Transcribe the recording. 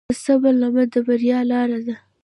د صبر لمن د بریا لاره ده.